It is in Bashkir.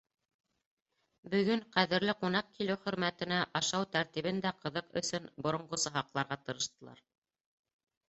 Бөгөн ҡәҙерле ҡунаҡ килеү хөрмәтенә ашау тәртибен дә ҡыҙыҡ өсөн боронғоса һаҡларға тырыштылар.